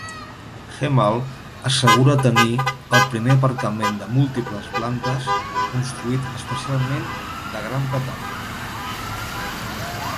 Hemel assegura tenir el primer aparcament de múltiples plantes construït especialment de Gran Bretanya.